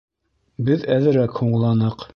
Беҙ әҙерәк һуңланыҡ